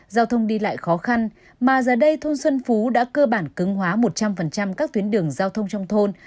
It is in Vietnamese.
giao thông đi lại khó khăn mà giờ đây thôn xuân phú đã cơ bản cứng hóa một trăm linh các tuyến đường giao thông trong thôn